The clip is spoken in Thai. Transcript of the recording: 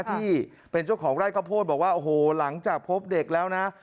ที่เป็นเจ้าของไร่ข้าวโพดบอกว่าโอ้โหหลังจากพบเด็กแล้วนะ